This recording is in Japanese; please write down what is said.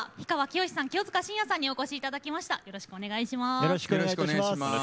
よろしくお願いします。